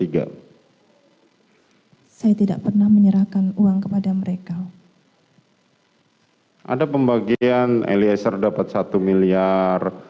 lalu ibu saya berpindah ke kamar